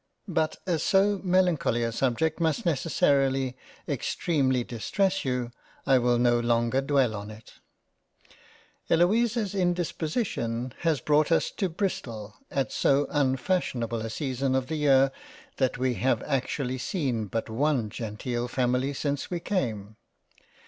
But as so melancholy a subject must necessarily extremely distress you, I will no longer dwell on it —. Eloisa's indisposition has brought us to Bristol at so un fashionable a season of the year, that we have actually seen but one genteel family since we came.